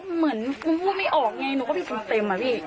เหมือนคุ้มพูดไม่ออกอ่ะเนี่ยหนูก็ดิเรื่องเต็มอะพี่